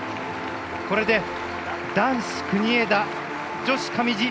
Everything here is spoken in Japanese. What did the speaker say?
これで男子、国枝女子、上地。